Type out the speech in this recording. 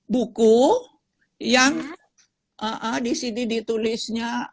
buku yang disini ditulisnya